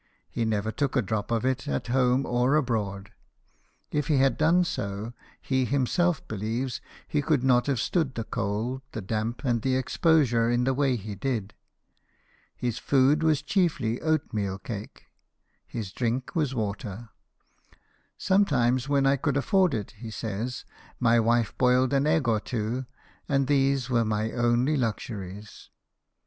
He never took a drop of it, at home or abroad. If he had done so, he himself believed, he could not have stood the cold, the damp, and the expo sure in the way he did. His food was chiefly 1 84 BIOGRAPHIES OF WORKING MEN. oatmeal cake ; his drink was water. " Seme times, when I could afford it," he says, " my wife boiled an egg or two, and these were my only luxuries."